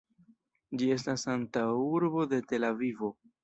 Ĝi estas antaŭurbo de Tel-Avivo.